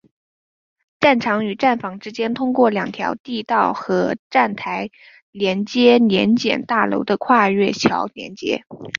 站场与站房之间通过两条地道和站台联接联检大楼的跨线桥连接。